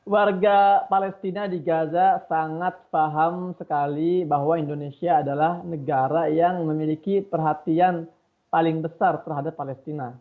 warga palestina di gaza sangat paham sekali bahwa indonesia adalah negara yang memiliki perhatian paling besar terhadap palestina